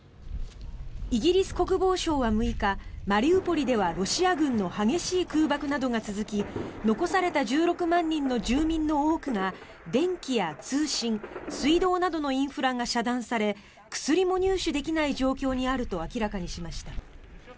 イギリス国防省は６日マリウポリではロシア軍の激しい空爆などが続き残された１６万人の住民の多くが電気や通信、水道などのインフラが遮断され薬も入手できない状況にあると明らかにしました。